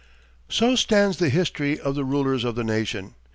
So stands the history of the rulers of the nation.